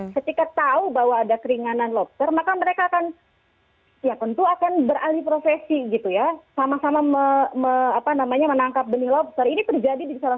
petinggi partai gerindra